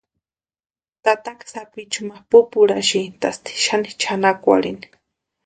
Tataka sapichu ma pupurhasïntasti xani chʼanakwarhini.